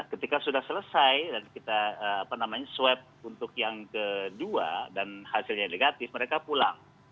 ketika sudah selesai dan kita swab untuk yang kedua dan hasilnya negatif mereka pulang